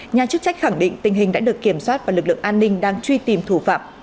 nhà chức trách khẳng định tình hình đã được kiểm soát và lực lượng an ninh đang truy tìm thủ phạm